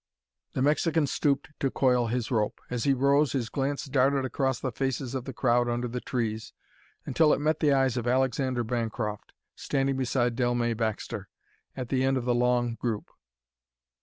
The Mexican stooped to coil his rope. As he rose his glance darted across the faces of the crowd under the trees until it met the eyes of Alexander Bancroft, standing beside Dellmey Baxter, at the end of the long group.